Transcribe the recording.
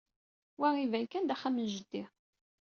Wa iban kan d axxam n jeddi.